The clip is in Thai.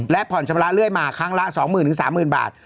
และผ่อนชำระเรื่อยมาครั้งละ๒๐๐๐๓๐๐บาท